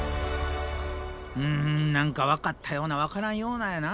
うん何か分かったような分からんようなやな